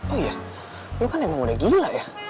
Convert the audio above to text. oh iya gue kan emang udah gila ya